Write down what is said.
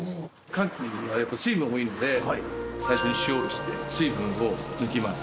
牡蠣はやっぱり水分多いので最初に塩をして水分を抜きます